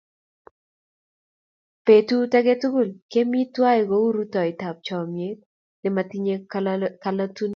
Petut ake tukul kemi twai kou rutoitap chomyet ne matinye kalotunet.